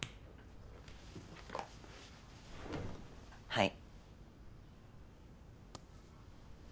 はい。